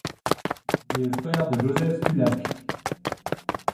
Il est le frère de Joseph Stulac.